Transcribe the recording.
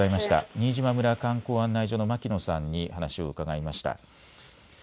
新島村観光案内所の牧野さんにお話を伺いました。